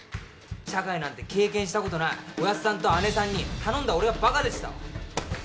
社会なんて経験したことないおやっさんと姐さんに頼んだ俺がバカでしたわ。